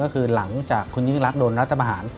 ก็คือหลังจากคนยึ๊งรักโดนรัฐภาษณ์